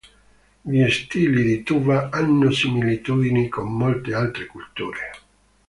Gli stili di Tuva hanno similitudini con molte altre culture.